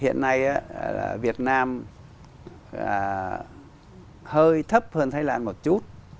hiện nay việt nam hơi thấp hơn thái lan một chút